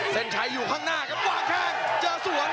ชัยอยู่ข้างหน้าครับวางแข้งเจอสวน